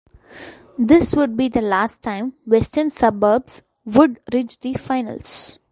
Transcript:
This would be the last time Western Suburbs would reach the finals.